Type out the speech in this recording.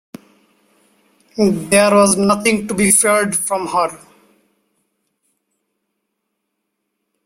There was nothing to be feared from her.